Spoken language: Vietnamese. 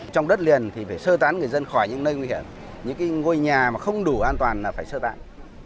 trong đất liền thì phải sơ tán người dân khỏi những nơi nguy hiểm những ngôi nhà mà không đủ an toàn là phải sơ tán